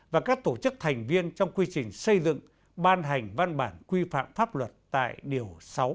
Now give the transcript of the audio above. và các tổ chức thành viên trong quy trình xây dựng ban hành văn bản quy phạm pháp luật tại điều sáu